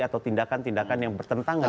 atau tindakan tindakan yang bertentangan